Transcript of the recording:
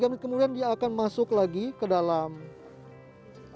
dua sampai tiga menit kemudian dia akan masuk lagi ke dalam cabin ini